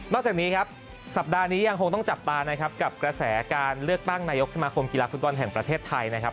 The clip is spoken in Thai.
จากนี้ครับสัปดาห์นี้ยังคงต้องจับตานะครับกับกระแสการเลือกตั้งนายกสมาคมกีฬาฟุตบอลแห่งประเทศไทยนะครับ